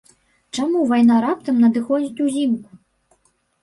Чаму вайна раптам надыходзіць узімку?